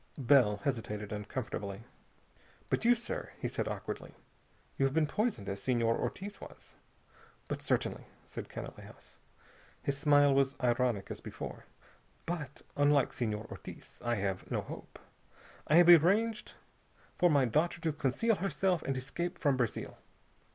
Bell hesitated uncomfortably. "But you, sir," he said awkwardly. "You have been poisoned, as Senor Ortiz was." "But certainly," said Canalejas. His smile was ironic as before. "But, unlike Senor Ortiz, I have no hope. I have arranged for my daughter to conceal herself and escape from Brazil.